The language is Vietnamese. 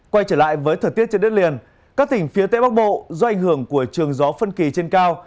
quay trở lại với thời tiết trên đất liền các tỉnh phía tây bắc bộ do ảnh hưởng của trường gió phân kỳ trên cao